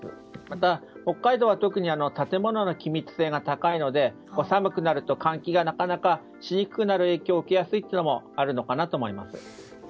また北海道は特に建物の気密性が高いので寒くなると換気がなかなかしにくくなる影響を受けやすいというのもあるのかなと思います。